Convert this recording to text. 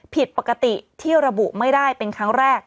ผิดปกติที่ระบุไม่ได้เป็นครั้งแรก